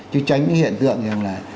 chứ tránh cái hiện tượng như là